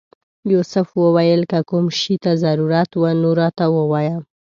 یوسف وویل که کوم شي ته ضرورت و نو راته ووایه.